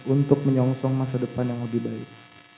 untuk menyongsong masa depan yang lebih baik